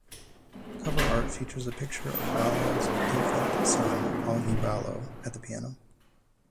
Cover art features a picture of Ballew's infant son, Augie Ballew, at the piano.